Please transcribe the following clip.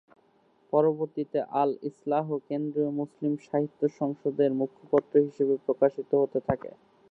পরবর্তীতে আল ইসলাহ ‘কেন্দ্রীয় মুসলিম সাহিত্য সংসদ’-এর মুখপত্র হিসেবে প্রকাশিত হতে থাকে।